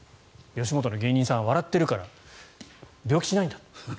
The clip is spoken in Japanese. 吉本の芸人さんは笑っているから病気をしないんだと。